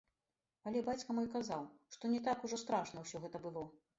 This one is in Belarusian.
Але бацька мой казаў, што не так ужо страшна ўсё гэта было.